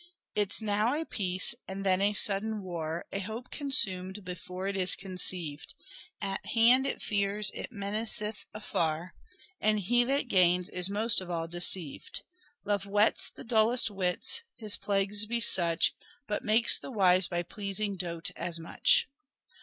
" It's now a peace and then a sudden war, A hope consumed before it is conceived. At hand it fears ; it menaceth afar ; And he that gains is most of all deceived. Love whets the dullest wits, his plagues be such, But makes the wise by pleasing dote as much.